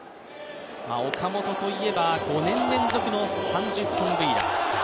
岡本といえば、５年連続の３０本塁打。